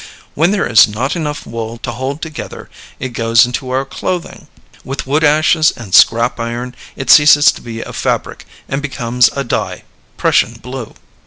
When there is not enough wool to hold together it goes into our clothing. With wood ashes and scrap iron it ceases to be a fabric and becomes a dye, Prussian blue.